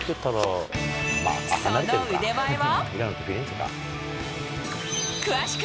その腕前は。